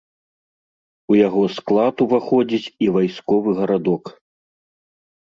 У яго склад уваходзіць і вайсковы гарадок.